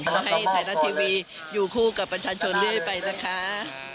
ก็ให้ไทยรัฐทีวีอยู่คู่กับประชาชนเรื่อยไปนะคะ